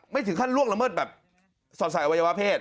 อาวาสมีการฝังมุกอาวาสมีการฝังมุกอาวาสมีการฝังมุก